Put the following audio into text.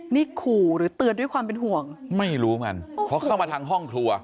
นี่ขู่หรือเตือนด้วยความเป็นห่วงไม่รู้เหมือนกันเพราะเข้ามาทางห้องครัว